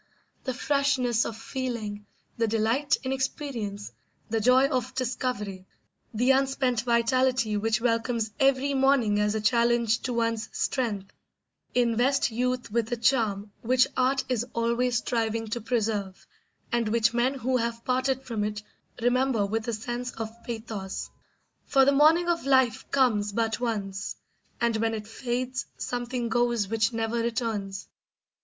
The freshness of feeling, the delight in experience, the joy of discovery, the unspent vitality which welcomes every morning as a challenge to one's strength, invest youth with a charm which art is always striving to preserve, and which men who have parted from it remember with a sense of pathos; for the morning of life comes but once, and when it fades something goes which never returns.